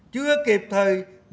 chưa kịp thời điều hành